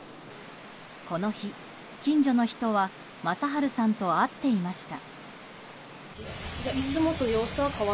この日、近所の人は正春さんと会っていました。